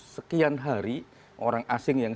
sekian hari orang asing yang